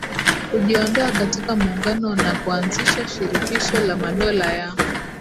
kujiondoa katika Muungano na kuanzisha Shirikisho la Madola ya